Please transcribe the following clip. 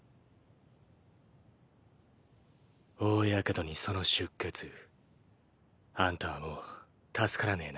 大ヤケドにその出血あんたはもう助からねぇな。